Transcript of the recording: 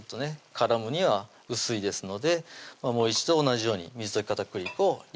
絡むには薄いですのでもう一度同じように水溶き片栗粉を入れていきます